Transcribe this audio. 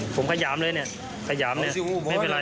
ผมขยามเลยไม่เป็นไร